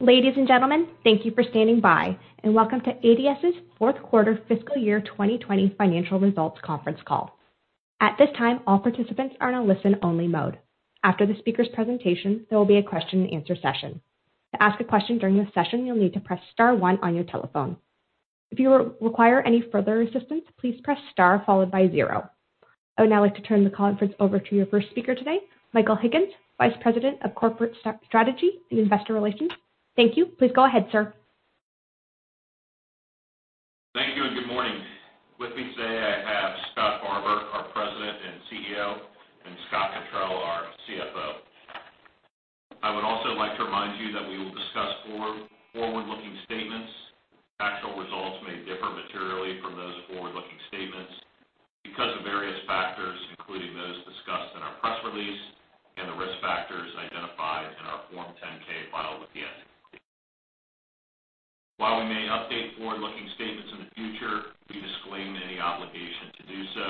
Ladies and gentlemen, thank you for standing by, and welcome to ADS's fourth quarter fiscal year 2020 financial results conference call. At this time, all participants are in a listen-only mode. After the speaker's presentation, there will be a question-and-answer session. To ask a question during this session, you'll need to press star one on your telephone. If you require any further assistance, please press star followed by zero. I would now like to turn the conference over to your first speaker today, Michael Higgins, Vice President of Corporate Strategy and Investor Relations. Thank you. Please go ahead, sir. Thank you, and good morning. With me today, I have Scott Barbour, our President and CEO, and Scott Cottrill, our CFO. I would also like to remind you that we will discuss forward-looking statements. Actual results may differ materially from those forward-looking statements because of various factors, including those discussed in our press release and the risk factors identified in our Form 10-K filed with the SEC. While we may update forward-looking statements in the future, we disclaim any obligation to do so.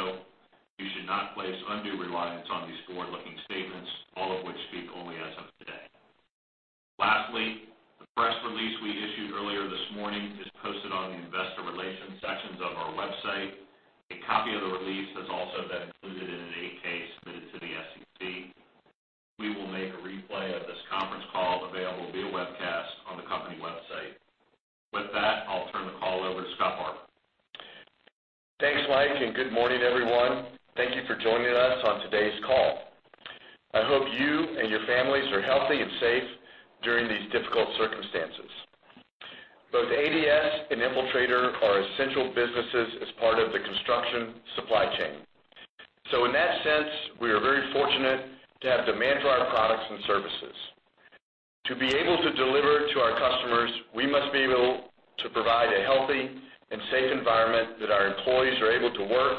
You should not place undue reliance on these forward-looking statements, all of which speak only as of today. Lastly, the press release we issued earlier this morning is posted on the investor relations sections of our website. A copy of the release has also been included in an 8-K submitted to the SEC. We will make a replay of this conference call available via webcast on the company website. With that, I'll turn the call over to Scott Barbour. Thanks, Mike, and good morning, everyone. Thank you for joining us on today's call. I hope you and your families are healthy and safe during these difficult circumstances. Both ADS and Infiltrator are essential businesses as part of the construction supply chain. So in that sense, we are very fortunate to have demand for our products and services. To be able to deliver to our customers, we must be able to provide a healthy and safe environment that our employees are able to work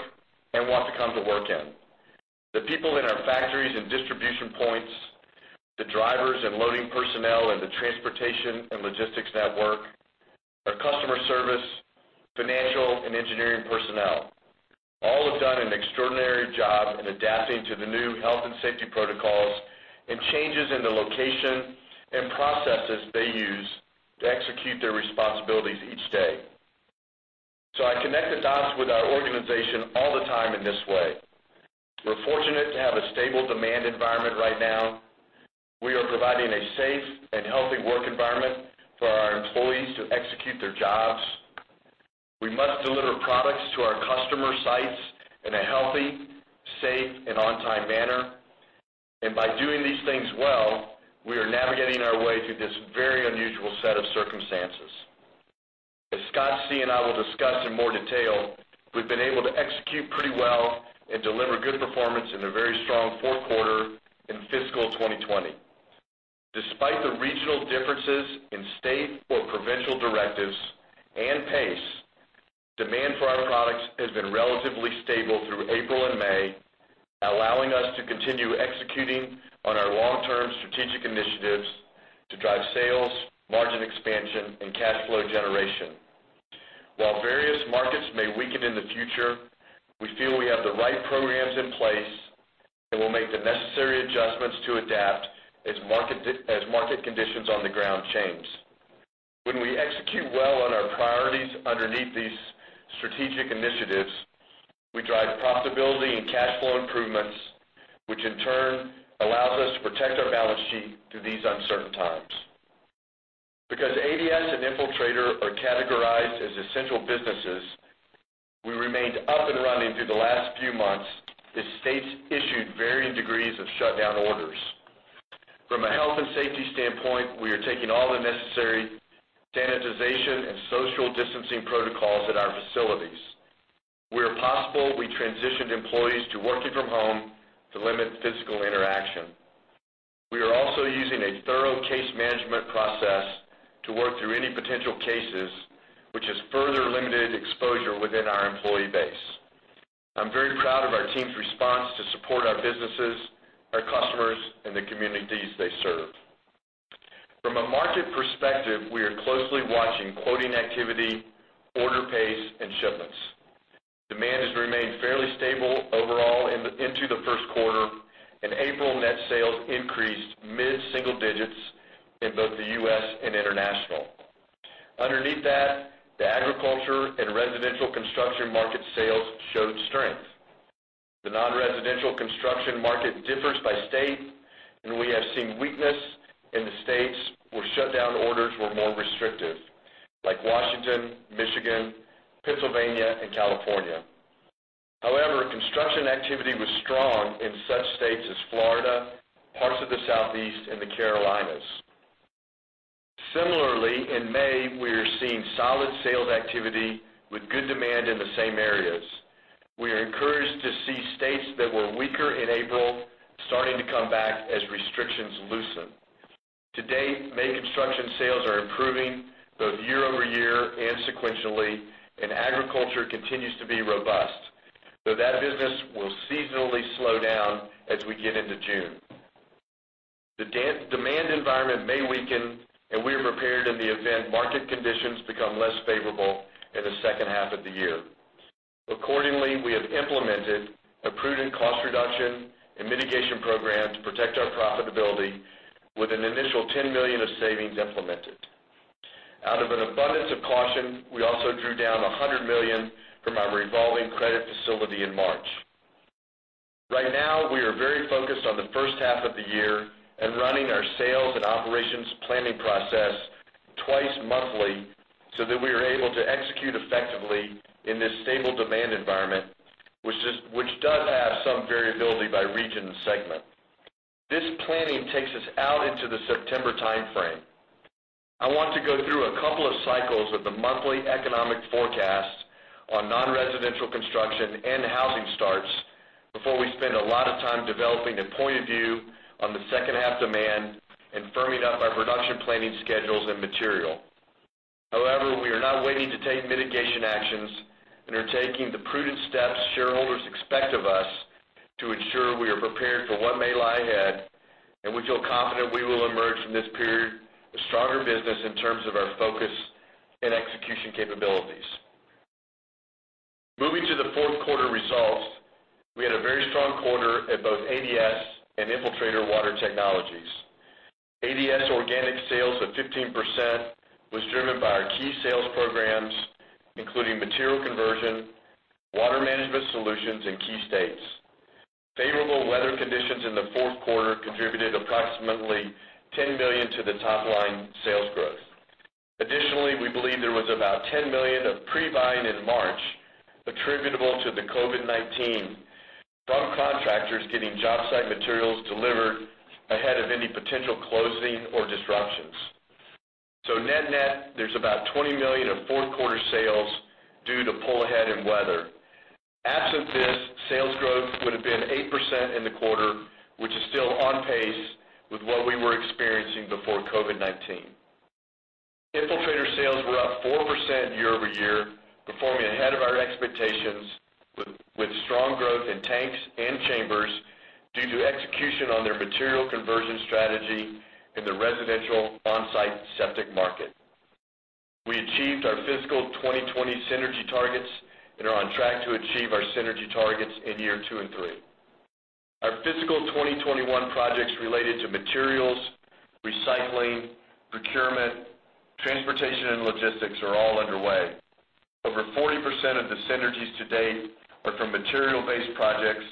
and want to come to work in. The people in our factories and distribution points, the drivers and loading personnel, and the transportation and logistics network, our customer service, financial, and engineering personnel, all have done an extraordinary job in adapting to the new health and safety protocols and changes in the location and processes they use to execute their responsibilities each day. I connect the dots with our organization all the time in this way. We're fortunate to have a stable demand environment right now. We are providing a safe and healthy work environment for our employees to execute their jobs. We must deliver products to our customer sites in a healthy, safe, and on-time manner, and by doing these things well, we are navigating our way through this very unusual set of circumstances. As Scott C. and I will discuss in more detail, we've been able to execute pretty well and deliver good performance in a very strong fourth quarter in fiscal 2020. Despite the regional differences in state or provincial directives and pace, demand for our products has been relatively stable through April and May, allowing us to continue executing on our long-term strategic initiatives to drive sales, margin expansion, and cash flow generation. While various markets may weaken in the future, we feel we have the right programs in place and will make the necessary adjustments to adapt as market conditions on the ground change. When we execute well on our priorities underneath these strategic initiatives, we drive profitability and cash flow improvements, which in turn allows us to protect our balance sheet through these uncertain times. Because ADS and Infiltrator are categorized as essential businesses, we remained up and running through the last few months as states issued varying degrees of shutdown orders. From a health and safety standpoint, we are taking all the necessary sanitization and social distancing protocols at our facilities. Where possible, we transitioned employees to working from home to limit physical interaction. We are also using a thorough case management process to work through any potential cases, which has further limited exposure within our employee base. I'm very proud of our team's response to support our businesses, our customers, and the communities they serve. From a market perspective, we are closely watching quoting activity, order pace, and shipments. Demand has remained fairly stable overall into the first quarter, and April net sales increased mid-single digits in both the U.S. and international. Underneath that, the agriculture and residential construction market sales showed strength. The non-residential construction market differs by state, and we have seen weakness in the states where shutdown orders were more restrictive, like Washington, Michigan, Pennsylvania, and California. However, construction activity was strong in such states as Florida, parts of the Southeast, and the Carolinas. Similarly, in May, we are seeing solid sales activity with good demand in the same areas. We are encouraged to see states that were weaker in April starting to come back as restrictions loosen. To date, May construction sales are improving both year-over-year and sequentially, and agriculture continues to be robust, though that business will seasonally slow down as we get into June. The demand environment may weaken if then market conditions become less favorable in the second half of the year. Accordingly, we have implemented a prudent cost reduction and mitigation program to protect our profitability with an initial $10 million of savings implemented. Out of an abundance of caution, we also drew down $100 million from our revolving credit facility in March. Right now, we are very focused on the first half of the year and running our sales and operations planning process twice monthly so that we are able to execute effectively in this stable demand environment, which is, which does have some variability by region and segment. This planning takes us out into the September timeframe. I want to go through a couple of cycles of the monthly economic forecast on non-residential construction and housing starts before we spend a lot of time developing a point of view on the second half demand and firming up our production planning schedules and material. However, we are not waiting to take mitigation actions and are taking the prudent steps shareholders expect of us to ensure we are prepared for what may lie ahead, and we feel confident we will emerge from this period a stronger business in terms of our focus and execution capabilities. Moving to the fourth quarter results, we had a very strong quarter at both ADS and Infiltrator Water Technologies. ADS organic sales of 15% was driven by our key sales programs, including material conversion, water management solutions in key states. Favorable weather conditions in the fourth quarter contributed approximately $10 million to the top-line sales growth. Additionally, we believe there was about $10 million of pre-buying in March, attributable to the COVID-19, from contractors getting job site materials delivered ahead of any potential closing or disruptions. Net-net, there's about $20 million of fourth quarter sales due to pull ahead in weather. Absent this, sales growth would have been 8% in the quarter, which is still on pace with what we were experiencing before COVID-19. Infiltrator sales were up 4% year-over-year, performing ahead of our expectations, with strong growth in tanks and chambers due to execution on their material conversion strategy in the residential on-site septic market. We achieved our fiscal 2020 synergy targets and are on track to achieve our synergy targets in year two and three. Our fiscal 2021 projects related to materials, recycling, procurement, transportation, and logistics are all underway. Over 40% of the synergies to date are from material-based projects,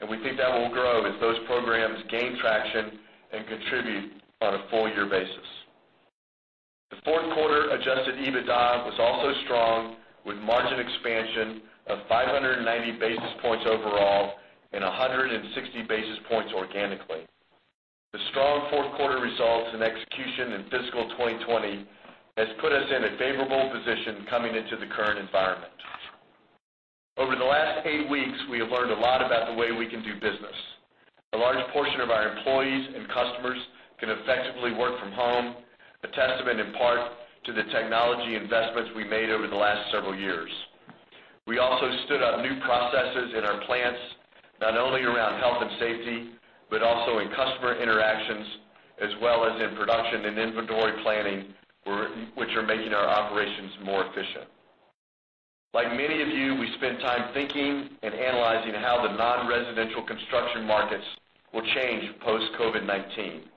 and we think that will grow as those programs gain traction and contribute on a full year basis. The fourth quarter Adjusted EBITDA was also strong, with margin expansion of 590 basis points overall and 160 basis points organically. The strong fourth quarter results and execution in fiscal 2020 has put us in a favorable position coming into the current environment. Over the last eight weeks, we have learned a lot about the way we can do business. A large portion of our employees and customers can effectively work from home, a testament, in part, to the technology investments we made over the last several years. We also stood up new processes in our plants, not only around health and safety, but also in customer interactions, as well as in production and inventory planning, which are making our operations more efficient. Like many of you, we spend time thinking and analyzing how the non-residential construction markets will change post-COVID-19.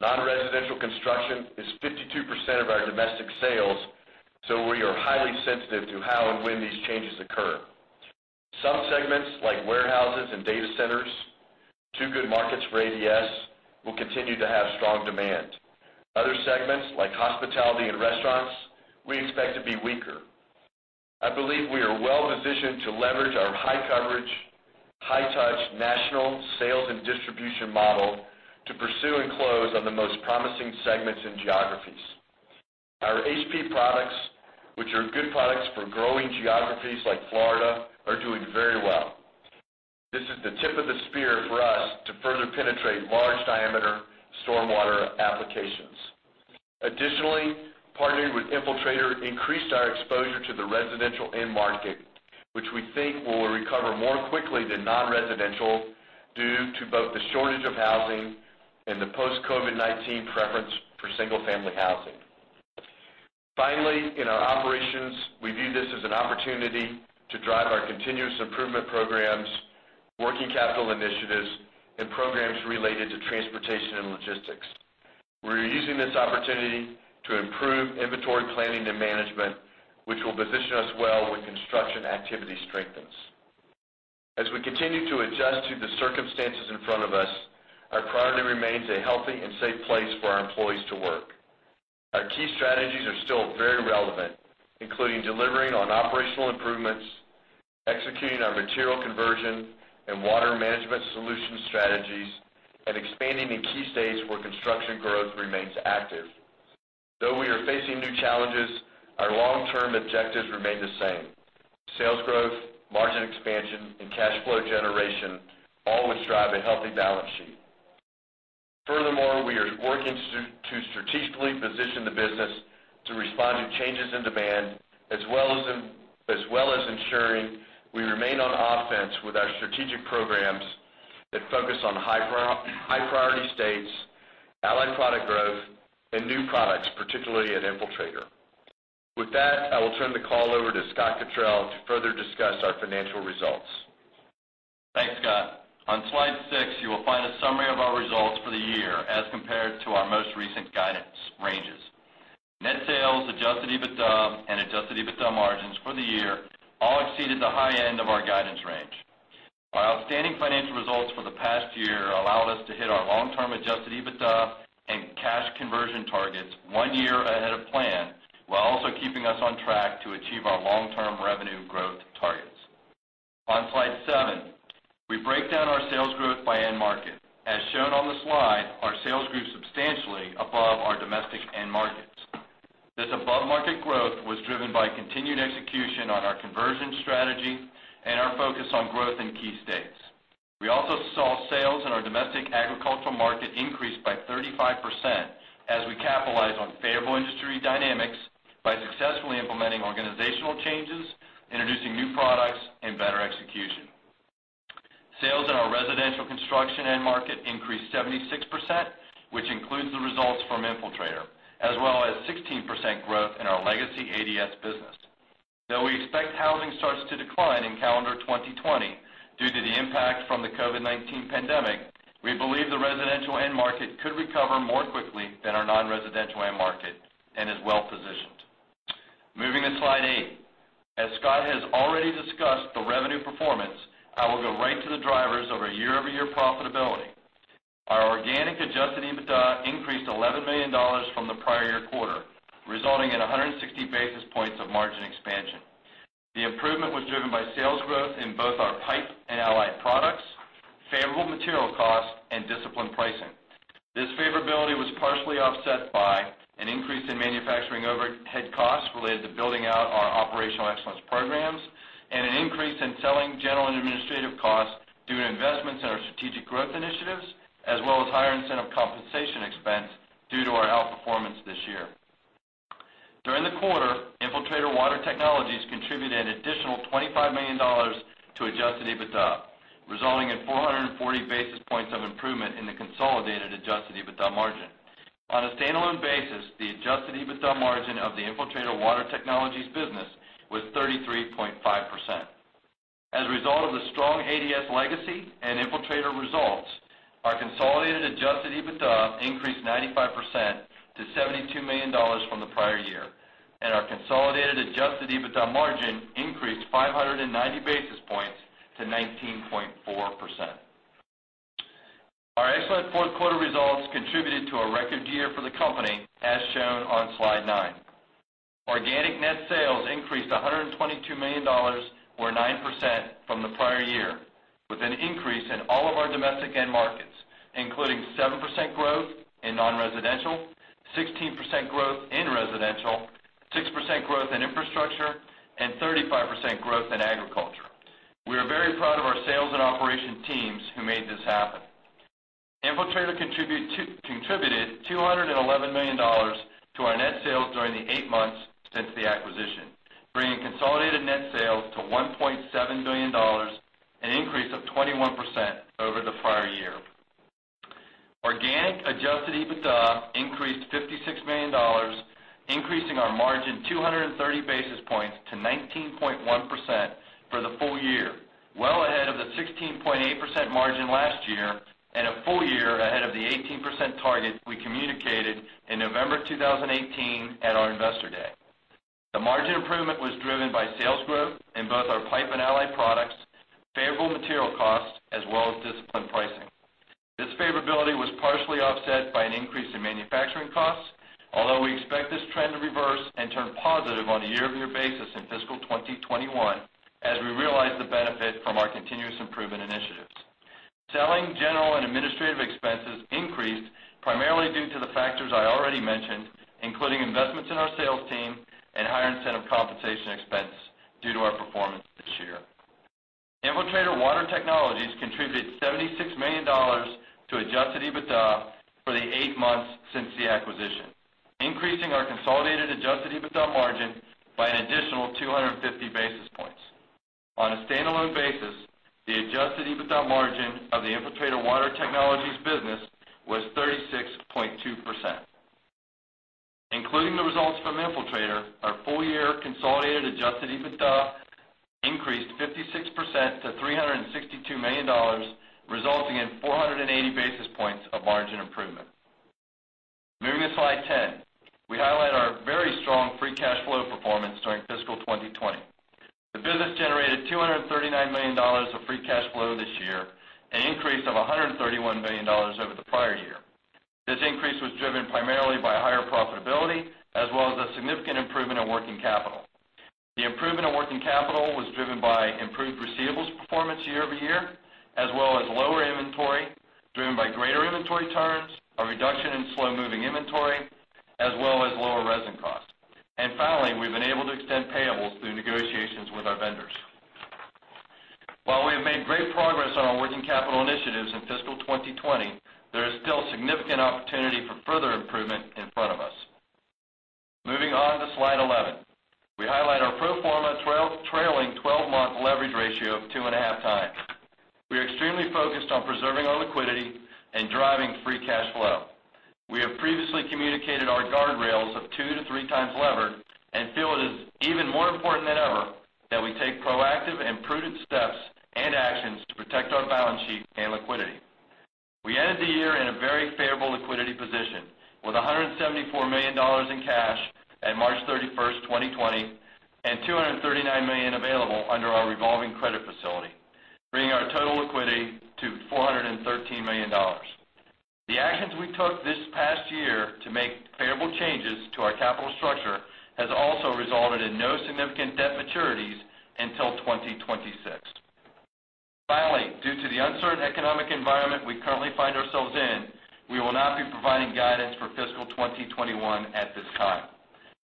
Non-residential construction is 52% of our domestic sales, so we are highly sensitive to how and when these changes occur. Some segments, like warehouses and data centers, two good markets for ADS, will continue to have strong demand. Other segments, like hospitality and restaurants, we expect to be weaker. I believe we are well positioned to leverage our high coverage, high touch, national sales and distribution model to pursue and close on the most promising segments and geographies. Our HP products, which are good products for growing geographies like Florida, are doing very well. This is the tip of the spear for us to further penetrate large diameter stormwater applications. Additionally, partnering with Infiltrator increased our exposure to the residential end market, which we think will recover more quickly than non-residential due to both the shortage of housing and the post-COVID-19 preference for single-family housing. Finally, in our operations, we view this as an opportunity to drive our continuous improvement programs, working capital initiatives, and programs related to transportation and logistics. We're using this opportunity to improve inventory planning and management, which will position us well when construction activity strengthens. As we continue to adjust to the circumstances in front of us, our priority remains a healthy and safe place for our employees to work. Our key strategies are still very relevant, including delivering on operational improvements, executing our material conversion and water management solution strategies, and expanding in key states where construction growth remains active. Though we are facing new challenges, our long-term objectives remain the same: sales growth, margin expansion, and cash flow generation, all which drive a healthy balance sheet. Furthermore, we are working to strategically position the business to respond to changes in demand as well as ensuring we remain on offense with our strategic programs that focus on high-priority states, allied product growth, and new products, particularly at Infiltrator. With that, I will turn the call over to Scott Cottrill to further discuss our financial results. Thanks, Scott. On slide six, you will find a summary of our results for the year as compared to our most recent guidance ranges. Net sales, Adjusted EBITDA, and Adjusted EBITDA margins for the year all exceeded the high end of our guidance range. Our outstanding financial results for the past year allowed us to hit our long-term Adjusted EBITDA and cash conversion targets one year ahead of plan, while also keeping us on track to achieve our long-term revenue growth targets. On slide seven, we break down our sales growth by end market. As shown on the slide, our sales grew substantially above our domestic end markets. This above-market growth was driven by continued execution on our conversion strategy and our focus on growth in key states. We also saw sales in our domestic agricultural market increase by 35% as we capitalized on favorable industry dynamics by successfully implementing organizational changes, introducing new products, and better execution. Sales in our residential construction end market increased 76%, which includes the results from Infiltrator, as well as 16% growth in our legacy ADS business. Though we expect housing starts to decline in calendar 2020 due to the impact from the COVID-19 pandemic, we believe the residential end market could recover more quickly than our non-residential end market and is well positioned. Moving to slide 8. As Scott has already discussed the revenue performance, I will go right to the drivers over year-over-year profitability. Our organic Adjusted EBITDA increased $11 million from the prior year quarter, resulting in 160 basis points of margin expansion. The improvement was driven by sales growth in both our pipe and allied products, favorable material costs, and disciplined pricing. This favorability was partially offset by an increase in manufacturing overhead costs related to building out our operational excellence programs, and an increase in selling general and administrative costs due to investments in our strategic growth initiatives, as well as higher incentive compensation expense due to our outperformance this year. During the quarter, Infiltrator Water Technologies contributed an additional $25 million to Adjusted EBITDA, resulting in 440 basis points of improvement in the consolidated Adjusted EBITDA margin. On a standalone basis, the Adjusted EBITDA margin of the Infiltrator Water Technologies business was 33.5%. As a result of the strong ADS legacy and Infiltrator results, our consolidated adjusted EBITDA increased 95% to $72 million from the prior year, and our consolidated adjusted EBITDA margin increased 590 basis points to 19.4%. Our excellent fourth quarter results contributed to a record year for the company, as shown on slide 9. Organic net sales increased $122 million, or 9%, from the prior year, with an increase in all of our domestic end markets, including 7% growth in non-residential, 16% growth in residential, 6% growth in infrastructure, and 35% growth in agriculture. We are very proud of our sales and operations teams who made this happen. Infiltrator contributed $211 million to our net sales during the eight months since the acquisition, bringing consolidated net sales to $1.7 billion, an increase of 21% over the prior year. Organic adjusted EBITDA increased $56 million, increasing our margin 230 basis points to 19.1% for the full year, well ahead of the 16.8% margin last year, and a full year ahead of the 18% target we communicated in November 2018 at our Investor Day. The margin improvement was driven by sales growth in both our pipe and allied products, favorable material costs, as well as disciplined pricing. This favorability was partially offset by an increase in manufacturing costs, although we expect this trend to reverse and turn positive on a year-over-year basis in fiscal 2021, as we realize the benefit from our continuous improvement initiatives. Selling, general, and administrative expenses increased, primarily due to the factors I already mentioned, including investments in our sales team and higher incentive compensation expense due to our performance this year. Infiltrator Water Technologies contributed $76 million to Adjusted EBITDA for the eight months since the acquisition, increasing our consolidated Adjusted EBITDA margin by an additional 250 basis points. On a standalone basis, the Adjusted EBITDA margin of the Infiltrator Water Technologies business was 36.2%. Including the results from Infiltrator, our full-year consolidated adjusted EBITDA increased 56% to $362 million, resulting in 480 basis points of margin improvement. Moving to slide 10, we highlight our very strong free cash flow performance during fiscal 2020. The business generated $239 million of free cash flow this year, an increase of $131 million over the prior year. This increase was driven primarily by higher profitability, as well as a significant improvement in working capital. The improvement in working capital was driven by improved receivables performance year-over-year, as well as lower inventory, driven by greater inventory turns, a reduction in slow-moving inventory, as well as lower resin costs, and finally, we've been able to extend payables through negotiations with our vendors. While we have made great progress on our working capital initiatives in fiscal 2020, there is still significant opportunity for further improvement in front of us. Moving on to slide 11.... trailing twelve-month leverage ratio of two and a half times. We are extremely focused on preserving our liquidity and driving free cash flow. We have previously communicated our guardrails of two to three times leverage, and feel it is even more important than ever, that we take proactive and prudent steps and actions to protect our balance sheet and liquidity. We ended the year in a very favorable liquidity position, with $174 million in cash at March 31st, 2020, and $239 million available under our revolving credit facility, bringing our total liquidity to $413 million. The actions we took this past year to make favorable changes to our capital structure, has also resulted in no significant debt maturities until 2026. Finally, due to the uncertain economic environment we currently find ourselves in, we will not be providing guidance for fiscal 2021 at this time.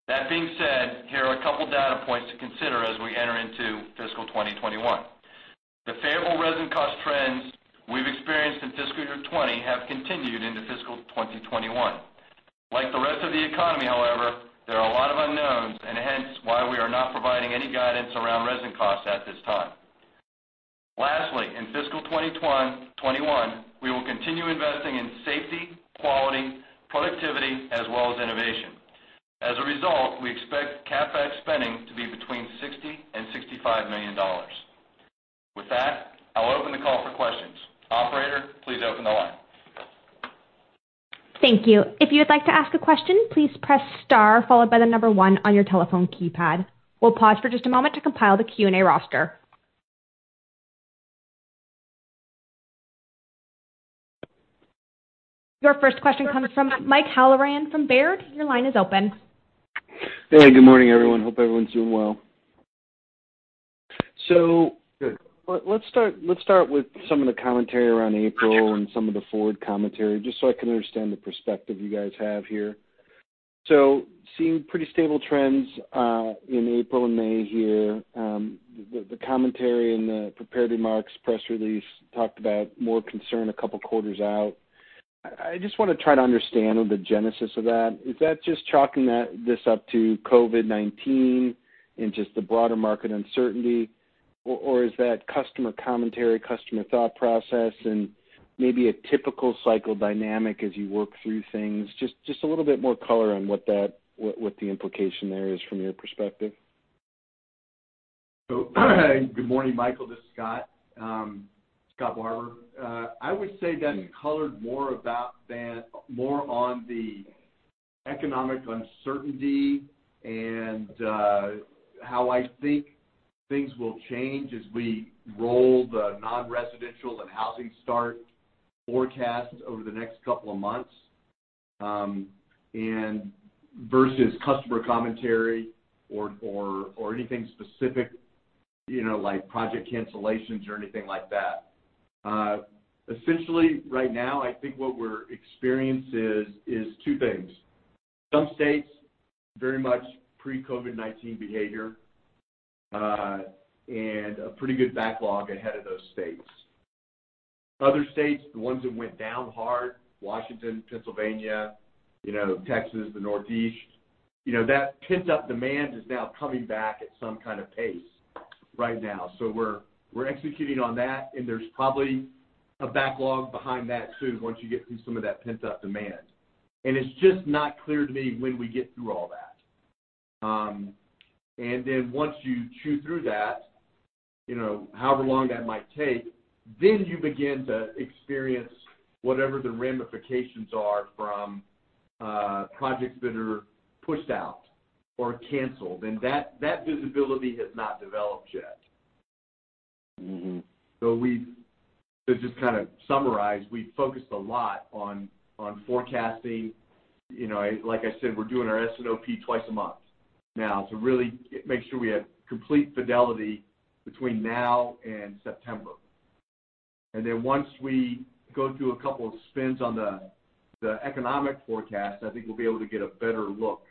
That being said, here are a couple data points to consider as we enter into fiscal 2021. The favorable resin cost trends we've experienced in fiscal year 2020 have continued into fiscal 2021. Like the rest of the economy, however, there are a lot of unknowns, and hence, why we are not providing any guidance around resin costs at this time. Lastly, in fiscal 2021, we will continue investing in safety, quality, productivity, as well as innovation. As a result, we expect CapEx spending to be between $60 million and $65 million. With that, I'll open the call for questions. Operator, please open the line. Thank you. If you would like to ask a question, please press star followed by the number one on your telephone keypad. We'll pause for just a moment to compile the Q&A roster. Your first question comes from Mike Halloran from Baird. Your line is open. Hey, good morning, everyone. Hope everyone's doing well. So let's start with some of the commentary around April and some of the forward commentary, just so I can understand the perspective you guys have here. So seeing pretty stable trends in April and May here. The commentary in the prepared remarks, press release, talked about more concern a couple of quarters out. I just want to try to understand the genesis of that. Is that just chalking this up to COVID-19 and just the broader market uncertainty, or is that customer commentary, customer thought process, and maybe a typical cycle dynamic as you work through things? Just a little bit more color on what that, what the implication there is from your perspective. So good morning, Michael, this is Scott. Scott Barbour. I would say that's colored more on the economic uncertainty and how I think things will change as we roll the non-residential and housing start forecast over the next couple of months. And versus customer commentary or anything specific, you know, like project cancellations or anything like that. Essentially, right now, I think what we're experiencing is two things. Some states, very much pre-COVID-19 behavior, and a pretty good backlog ahead of those states. Other states, the ones that went down hard, Washington, Pennsylvania, you know, Texas, the Northeast, you know, that pent-up demand is now coming back at some kind of pace right now. So we're executing on that, and there's probably a backlog behind that, too, once you get through some of that pent-up demand. And it's just not clear to me when we get through all that. And then once you chew through that, you know, however long that might take, then you begin to experience whatever the ramifications are from projects that are pushed out or canceled, and that visibility has not developed yet. Mm-hmm. So we've to just kind of summarize, we've focused a lot on forecasting. You know, like I said, we're doing our S&OP twice a month now, to really make sure we have complete fidelity between now and September. And then once we go through a couple of spins on the economic forecast, I think we'll be able to get a better look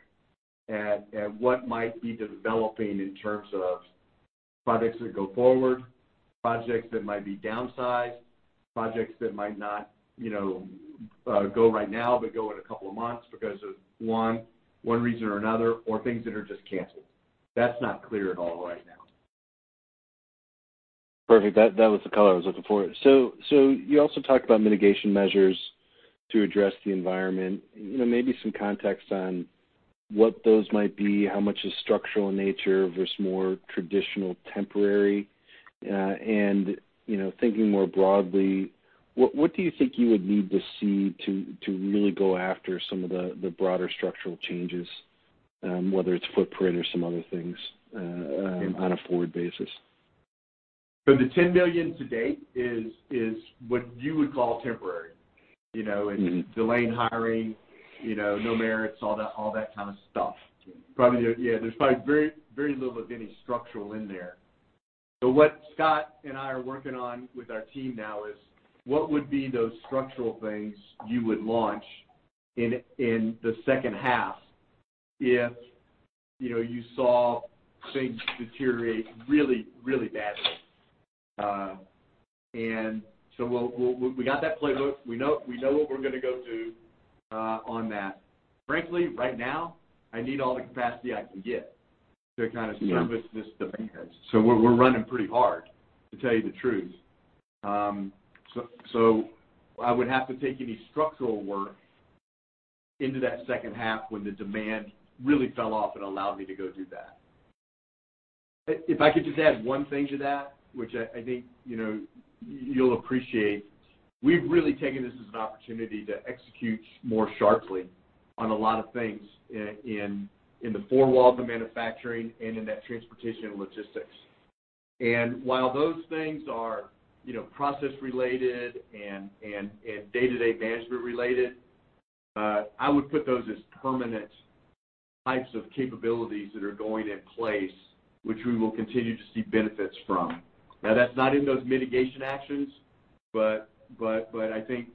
at what might be developing in terms of projects that go forward, projects that might be downsized, projects that might not, you know, go right now, but go in a couple of months because of one reason or another, or things that are just canceled. That's not clear at all right now. Perfect. That was the color I was looking for. So you also talked about mitigation measures to address the environment. You know, maybe some context on what those might be, how much is structural in nature versus more traditional, temporary? And, you know, thinking more broadly, what do you think you would need to see to really go after some of the broader structural changes, whether it's footprint or some other things, on a forward basis? So the $10 million to date is what you would call temporary. You know- Mm-hmm. It's delaying hiring, you know, no merits, all that, all that kind of stuff. Probably there. Yeah, there's probably very, very little of any structural in there. So what Scott and I are working on with our team now is: What would be those structural things you would launch in the second half if, you know, you saw things deteriorate really, really badly? And so we'll, we got that playbook. We know, we know what we're going to go do, on that. Frankly, right now, I need all the capacity I can get to kind of- Yeah service this demand. So we're running pretty hard, to tell you the truth. So I would have to take any structural work into that second half when the demand really fell off and allowed me to go do that. If I could just add one thing to that, which I think, you know, you'll appreciate, we've really taken this as an opportunity to execute more sharply on a lot of things in the four walls of manufacturing and in that transportation and logistics. And while those things are, you know, process related and day-to-day management related, I would put those as permanent types of capabilities that are going in place, which we will continue to see benefits from. Now, that's not in those mitigation actions, but I think,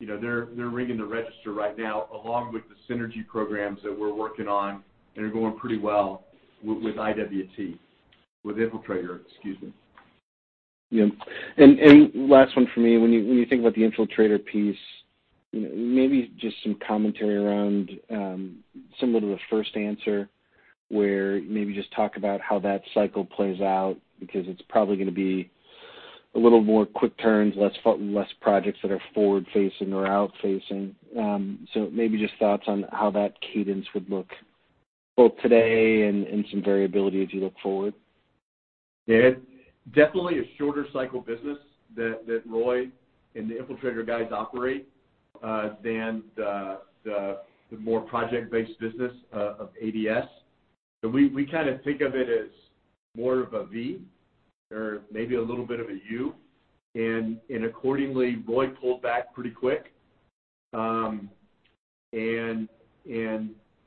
you know, they're ringing the register right now, along with the synergy programs that we're working on and are going pretty well with IWT, with Infiltrator, excuse me. Yeah. And last one for me. When you think about the Infiltrator piece, you know, maybe just some commentary around, similar to the first answer, where maybe just talk about how that cycle plays out, because it's probably going to be a little more quick turns, less projects that are forward-facing or outfacing. So maybe just thoughts on how that Cadence would look, both today and some variability as you look forward. Yeah, definitely a shorter cycle business that Roy and the Infiltrator guys operate than the more project-based business of ADS. So we kind of think of it as more of a V or maybe a little bit of a U. And accordingly, Roy pulled back pretty quick. And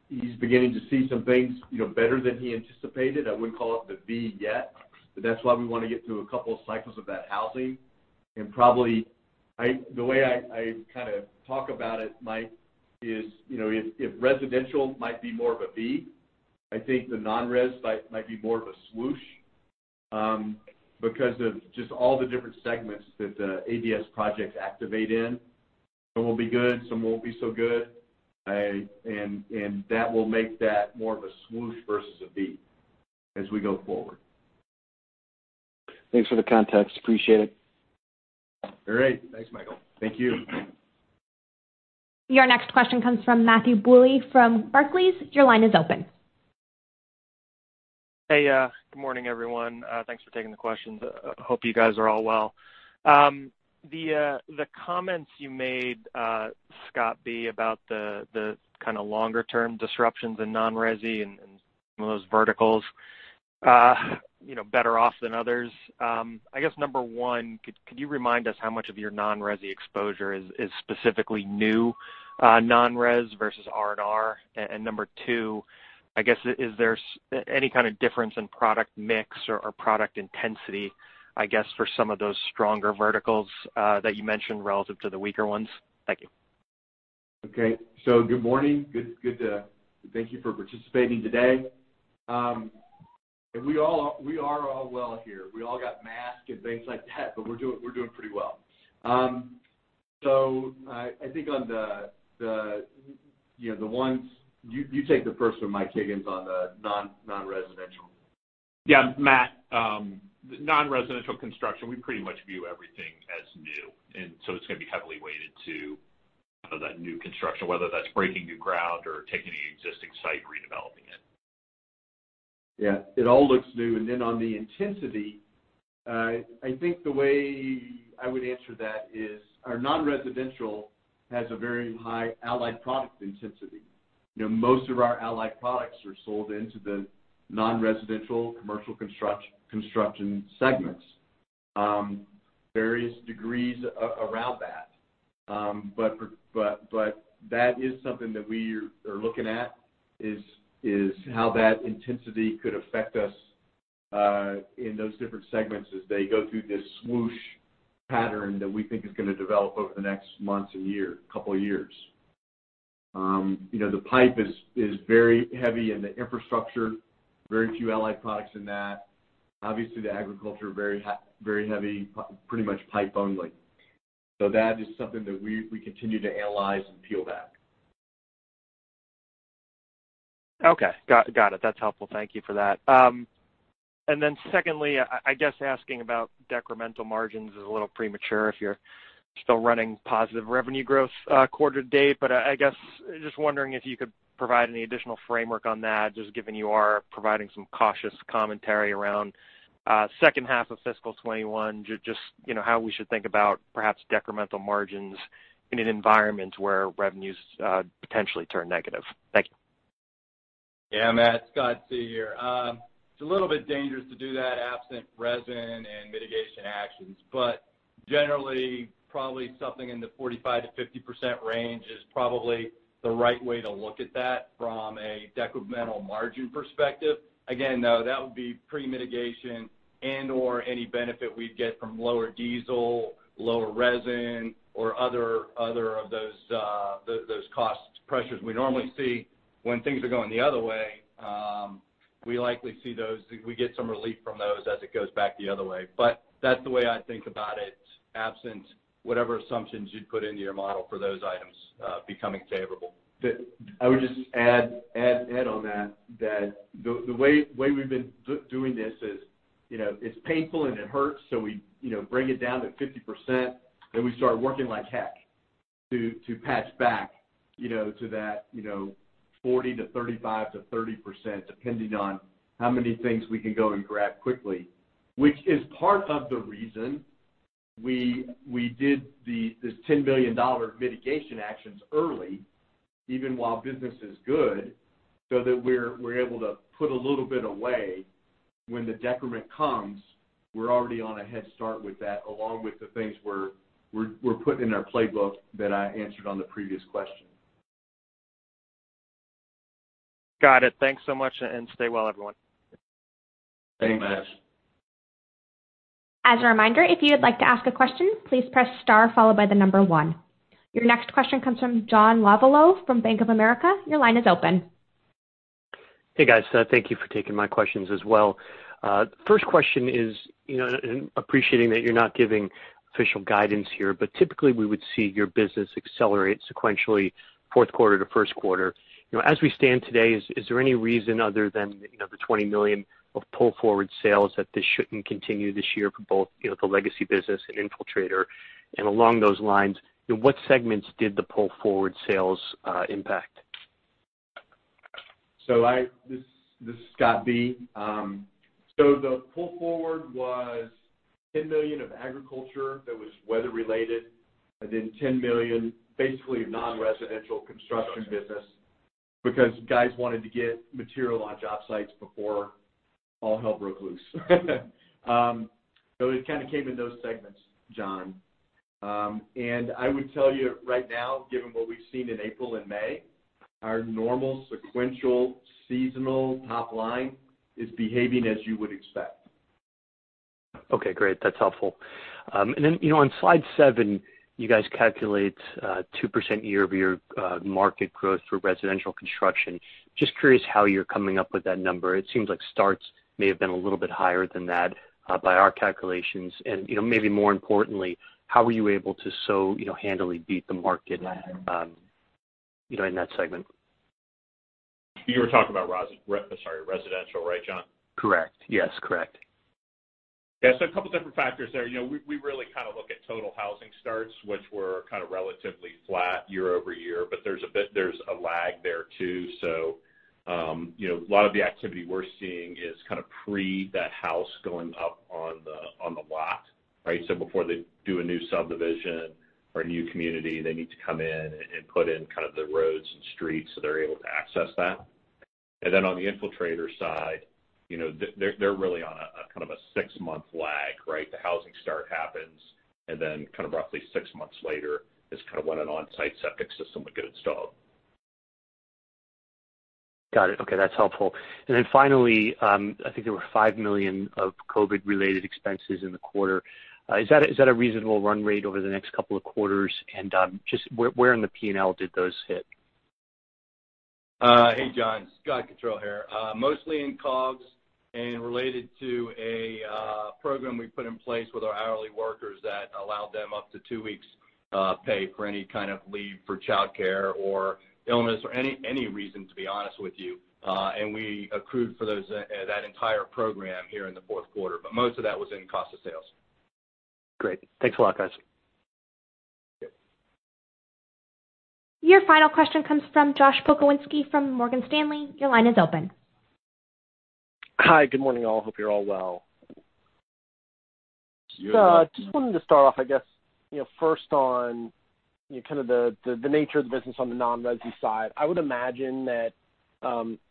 he's beginning to see some things, you know, better than he anticipated. I wouldn't call it the V yet, but that's why we want to get through a couple of cycles of that housing. And probably the way I kind of talk about it, Mike, is, you know, if residential might be more of a V, I think the non-res might be more of a swoosh because of just all the different segments that ADS projects activate in. Some will be good, some won't be so good. That will make that more of a swoosh versus a V as we go forward. Thanks for the context. Appreciate it. All right. Thanks, Michael. Thank you. Your next question comes from Matthew Bouley from Barclays. Your line is open. Hey, good morning, everyone. Thanks for taking the questions. Hope you guys are all well. The comments you made, Scott B, about the kind of longer term disruptions in non-resi and some of those verticals, you know, better off than others. I guess, number one, could you remind us how much of your non-resi exposure is specifically new non-res versus R&R? And number two, I guess, is there any kind of difference in product mix or product intensity, I guess, for some of those stronger verticals that you mentioned relative to the weaker ones? Thank you. Okay. Good morning. Good to thank you for participating today. And we are all well here. We all got masks and things like that, but we're doing pretty well. So I think on the, you know, the ones. You take the first one, Mike Higgins, on the non-residential. Yeah, Matt, the non-residential construction, we pretty much view everything as new, and so it's going to be heavily weighted to, kind of, that new construction, whether that's breaking new ground or taking an existing site, redeveloping it. Yeah, it all looks new, and then on the intensity, I think the way I would answer that is our non-residential has a very high allied product intensity. You know, most of our allied products are sold into the non-residential, commercial construction segments. Various degrees around that. But that is something that we are looking at, is how that intensity could affect us in those different segments as they go through this swoosh pattern that we think is going to develop over the next months and year, couple of years. You know, the pipe is very heavy in the infrastructure, very few allied products in that. Obviously, the agriculture, very heavy, pretty much pipe only. So that is something that we continue to analyze and peel back. Okay, got it. That's helpful. Thank you for that. And then secondly, I guess asking about decremental margins is a little premature if you're still running positive revenue growth, quarter to date. But I guess, just wondering if you could provide any additional framework on that, just given you are providing some cautious commentary around, second half of fiscal 2021, just, you know, how we should think about perhaps decremental margins in an environment where revenues, potentially turn negative. Thank you. Yeah, Matt, Scott C. here. It's a little bit dangerous to do that absent resin and mitigation actions, but generally, probably something in the 45%-50% range is probably the right way to look at that from a decremental margin perspective. Again, though, that would be pre-mitigation and/or any benefit we'd get from lower diesel, lower resin, or other of those cost pressures we normally see when things are going the other way.... we likely see those, we get some relief from those as it goes back the other way. But that's the way I think about it, absent whatever assumptions you'd put into your model for those items, becoming favorable. I would just add on that, that the way we've been doing this is, you know, it's painful and it hurts, so we, you know, bring it down to 50%, then we start working like heck to patch back, you know, to that, you know, 40%-35%-30%, depending on how many things we can go and grab quickly. Which is part of the reason we did this $10 million mitigation actions early, even while business is good, so that we're able to put a little bit away when the decrement comes, we're already on a head start with that, along with the things we're putting in our playbook that I answered on the previous question. Got it. Thanks so much, and stay well, everyone. Thanks, Matt. As a reminder, if you would like to ask a question, please press star followed by the number one. Your next question comes from John Lovallo from Bank of America. Your line is open. Hey, guys. Thank you for taking my questions as well. First question is, you know, and appreciating that you're not giving official guidance here, but typically, we would see your business accelerate sequentially, fourth quarter to first quarter. You know, as we stand today, is there any reason other than, you know, the $20 million of pull forward sales that this shouldn't continue this year for both, you know, the legacy business and Infiltrator? And along those lines, what segments did the pull forward sales impact? This is Scott B. So the pull forward was $10 million of agriculture that was weather related, and then $10 million, basically, non-residential construction business, because guys wanted to get material on job sites before all hell broke loose. So it kind of came in those segments, John. And I would tell you right now, given what we've seen in April and May, our normal sequential seasonal top line is behaving as you would expect. Okay, great. That's helpful. And then, you know, on slide seven, you guys calculate 2% year-over-year market growth for residential construction. Just curious how you're coming up with that number. It seems like starts may have been a little bit higher than that by our calculations, and, you know, maybe more importantly, how were you able to so, you know, handily beat the market, you know, in that segment? You were talking about residential, right, John? Correct. Yes, correct. Yeah, so a couple of different factors there. You know, we really kind of look at total housing starts, which were kind of relatively flat year-over-year, but there's a lag there, too. So, you know, a lot of the activity we're seeing is kind of pre that house going up on the lot, right? So before they do a new subdivision or a new community, they need to come in and put in kind of the roads and streets, so they're able to access that. And then on the Infiltrator side, you know, they're really on a kind of a six-month lag, right? The housing start happens, and then kind of roughly six months later, is kind of when an on-site septic system would get installed. Got it. Okay, that's helpful. And then finally, I think there were $5 million of COVID-related expenses in the quarter. Is that a reasonable run rate over the next couple of quarters? And, just where in the P&L did those hit? Hey, John, Scott Cottrill here. Mostly in COGS and related to a program we put in place with our hourly workers that allowed them up to two weeks pay for any kind of leave for childcare or illness or any reason, to be honest with you, and we accrued for those that entire program here in the fourth quarter, but most of that was in cost of sales. Great. Thanks a lot, guys. Yep. Your final question comes from Josh Pokrzywinski from Morgan Stanley. Your line is open. Hi, good morning, all. Hope you're all well. You as well. Just wanted to start off, I guess, you know, first on, you know, kind of the nature of the business on the non-resi side. I would imagine that,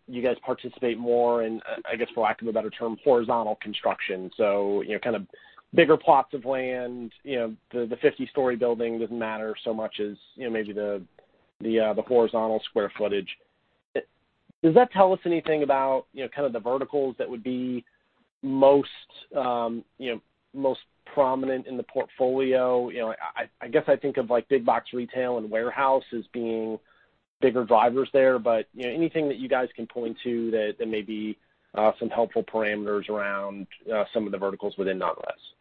you guys participate more in, I guess, for lack of a better term, horizontal construction, so, you know, kind of bigger plots of land, you know, the fifty-story building doesn't matter so much as, you know, maybe the horizontal square footage. Does that tell us anything about, you know, kind of the verticals that would be most, you know, most prominent in the portfolio? You know, I guess I think of, like, big box retail and warehouse as being bigger drivers there. But, you know, anything that you guys can point to that may be some helpful parameters around some of the verticals within non-resi?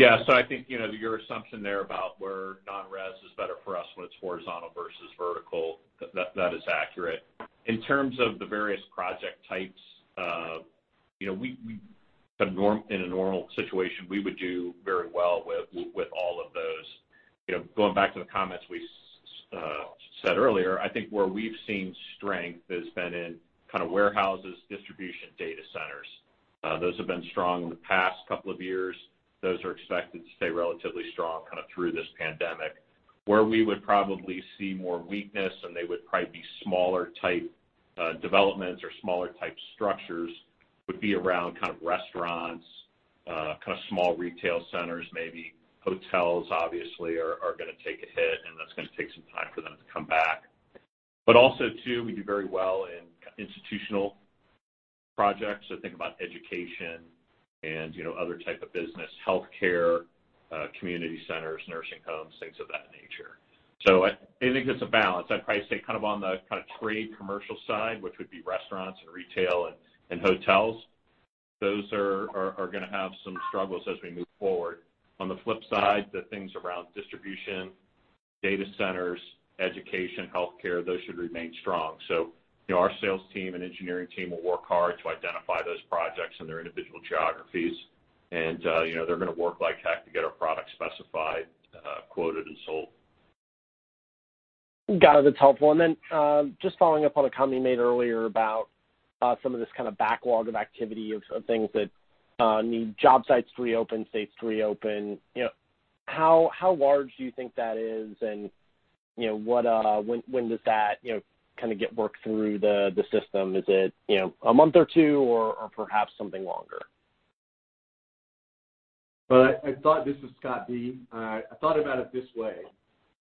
Yeah. So I think, you know, your assumption there about where non-res is better for us when it's horizontal versus vertical, that is accurate. In terms of the various project types, you know, in a normal situation, we would do very well with all of those. You know, going back to the comments we said earlier, I think where we've seen strength has been in kind of warehouses, distribution, data centers. Those have been strong in the past couple of years. Those are expected to stay relatively strong, kind of through this pandemic. Where we would probably see more weakness, and they would probably be smaller type, developments or smaller type structures, would be around kind of restaurants, kind of small retail centers, maybe hotels, obviously, are, are gonna take a hit, and that's gonna take some time for them to come back. But also, too, we do very well in institutional... projects. So think about education and, you know, other type of business, healthcare, community centers, nursing homes, things of that nature. So I think it's a balance. I'd probably say kind of on the trade commercial side, which would be restaurants and retail and hotels, those are gonna have some struggles as we move forward. On the flip side, the things around distribution, data centers, education, healthcare, those should remain strong. So, you know, our sales team and engineering team will work hard to identify those projects in their individual geographies. And, you know, they're gonna work like heck to get our product specified, quoted, and sold. Got it, that's helpful. And then, just following up on a comment you made earlier about some of this kind of backlog of activity of things that need job sites to reopen, states to reopen. You know, how large do you think that is? And, you know, what, when does that, you know, kind of get worked through the system? Is it, you know, a month or two, or perhaps something longer? I thought... This is Scott B. I thought about it this way,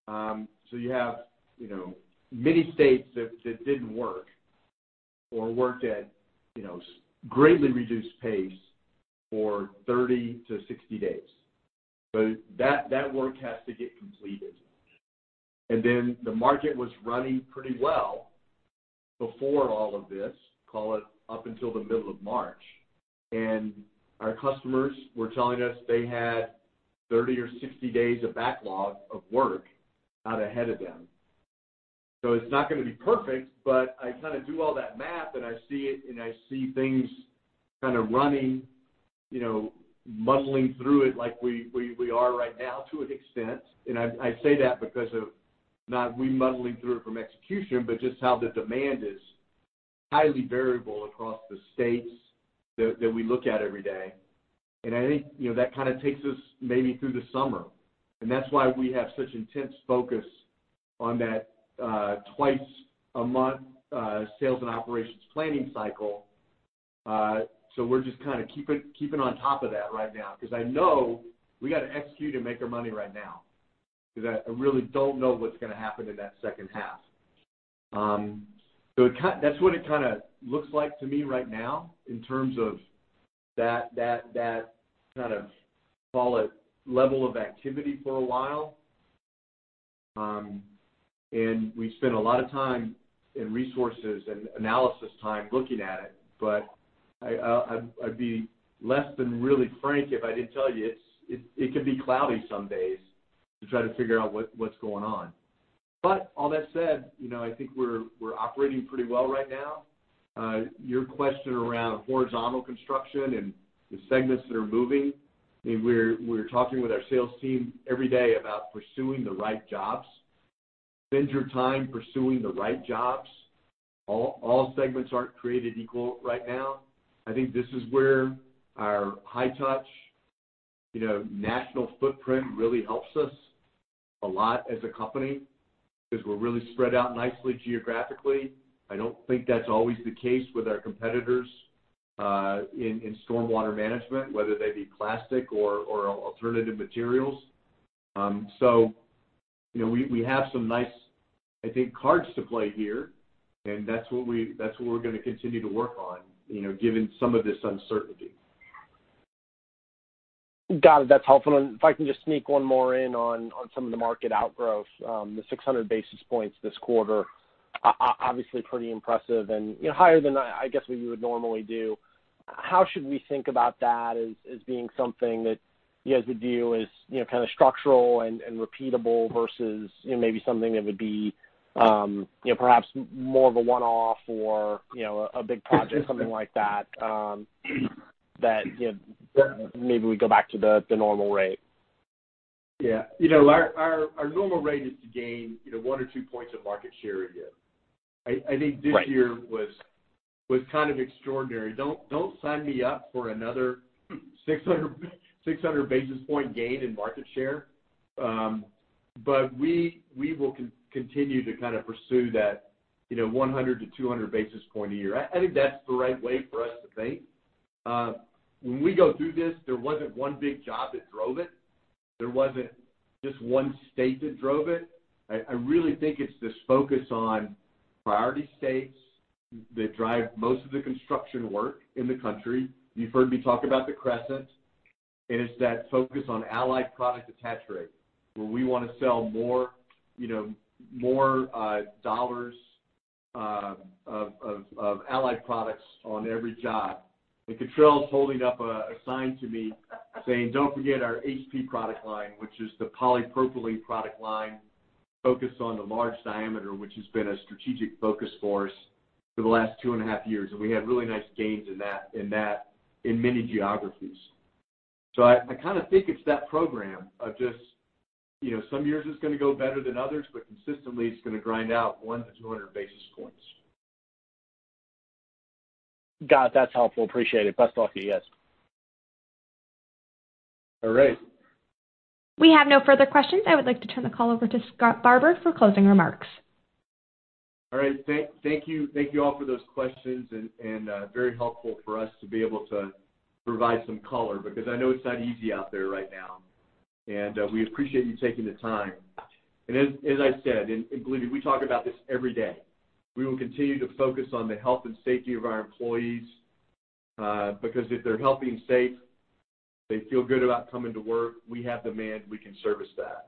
so you have, you know, many states that didn't work or worked at, you know, greatly reduced pace for 30 days-60 days, but that work has to get completed, and then the market was running pretty well before all of this, call it, up until the middle of March, and our customers were telling us they had 30 or 60 days of backlog of work out ahead of them, so it's not gonna be perfect, but I kind of do all that math, and I see it, and I see things kind of running, you know, muddling through it like we are right now, to an extent. And I say that because of not we muddling through it from execution, but just how the demand is highly variable across the states that we look at every day. And I think, you know, that kind of takes us maybe through the summer. And that's why we have such intense focus on that, twice a month, sales and operations planning cycle. So we're just kind of keeping on top of that right now because I know we got to execute and make our money right now. Because I really don't know what's gonna happen in that second half. So that's what it kind of looks like to me right now, in terms of that kind of, call it, level of activity for a while. And we spent a lot of time and resources and analysis time looking at it, but I'd be less than really frank if I didn't tell you, it could be cloudy some days to try to figure out what's going on. But all that said, you know, I think we're operating pretty well right now. Your question around horizontal construction and the segments that are moving, I mean, we're talking with our sales team every day about pursuing the right jobs. Spend your time pursuing the right jobs. All segments aren't created equal right now. I think this is where our high touch, you know, national footprint really helps us a lot as a company because we're really spread out nicely geographically. I don't think that's always the case with our competitors in stormwater management, whether they be plastic or alternative materials. So, you know, we have some nice, I think, cards to play here, and that's what we're gonna continue to work on, you know, given some of this uncertainty. Got it. That's helpful. And if I can just sneak one more in on some of the market outgrowth, the 600 basis points this quarter, obviously pretty impressive and, you know, higher than I guess what you would normally do. How should we think about that as being something that you guys would view as, you know, kind of structural and repeatable versus, you know, maybe something that would be, you know, perhaps more of a one-off or, you know, a big project, something like that, that, you know, maybe we go back to the normal rate? Yeah. You know, our normal rate is to gain, you know, one or two points of market share a year. Right. I think this year was kind of extraordinary. Don't sign me up for another six hundred basis point gain in market share. But we will continue to kind of pursue that, you know, one hundred to two hundred basis point a year. I think that's the right way for us to think. When we go through this, there wasn't one big job that drove it. There wasn't just one state that drove it. I really think it's this focus on priority states that drive most of the construction work in the country. You've heard me talk about the Crescent. It is that focus on allied product attach rate, where we wanna sell more, you know, more dollars of allied products on every job. Cottrill's holding up a sign to me saying, "Don't forget our HP product line," which is the polypropylene product line focused on the large diameter, which has been a strategic focus for us for the last two and a half years. We had really nice gains in that in many geographies. I kind of think it's that program of just, you know, some years it's gonna go better than others, but consistently, it's gonna grind out 100 basis points-200 basis points. Got it. That's helpful. Appreciate it. Best of luck to you guys. All right. We have no further questions. I would like to turn the call over to Scott Barbour for closing remarks. All right. Thank you. Thank you all for those questions and very helpful for us to be able to provide some color, because I know it's not easy out there right now, and we appreciate you taking the time. As I said, and believe me, we talk about this every day, we will continue to focus on the health and safety of our employees, because if they're healthy and safe, they feel good about coming to work, we have demand, we can service that.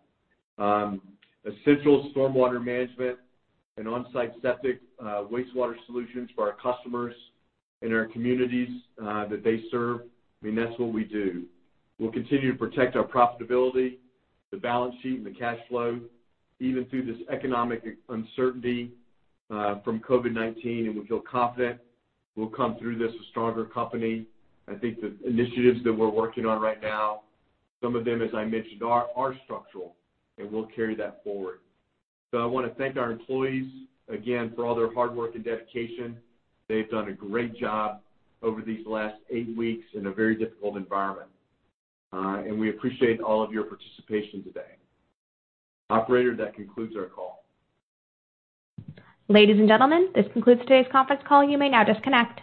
Essential stormwater management and onsite septic wastewater solutions for our customers and our communities that they serve. I mean, that's what we do. We'll continue to protect our profitability, the balance sheet, and the cash flow, even through this economic uncertainty from COVID-19, and we feel confident we'll come through this a stronger company. I think the initiatives that we're working on right now, some of them, as I mentioned, are structural, and we'll carry that forward, so I wanna thank our employees again for all their hard work and dedication. They've done a great job over these last eight weeks in a very difficult environment, and we appreciate all of your participation today. Operator, that concludes our call. Ladies and gentlemen, this concludes today's conference call. You may now disconnect.